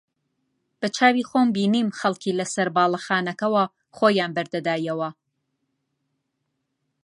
بەچاوی خۆم بینیم خەڵکی لەسەر باڵەخانەکانەوە خۆیان بەردەدایەوە